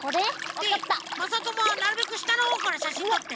でまさともはなるべくしたのほうからしゃしんとって。